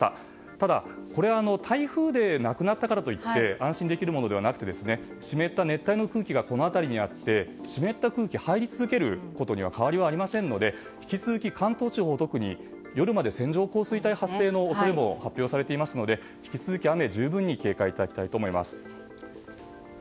ただ、台風ではなくなったからといって安心できるものではなくて湿った熱帯の空気がこの辺りにあって、湿った空気が入り続けることに変わりはありませんので引き続き関東地方は特に夜まで線状降水帯発生の恐れも発表されていますので引き続き雨に十分に警戒いただきたいと思います。